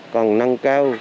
còn nâng cao